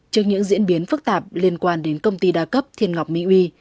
trước những diễn biến phức tạp liên quan đến công ty đa cấp thiên ngọc mỹ uy